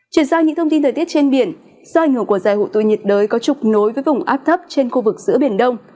chuyển sang những thông tin thời tiết trên biển do ảnh hưởng của giải hội tội nhiệt đới có trục nối với vùng áp thấp trên khu vực giữa biển đông